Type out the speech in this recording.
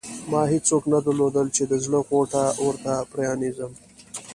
ما هېڅوک نه درلودل چې د زړه غوټه ورته پرانېزم.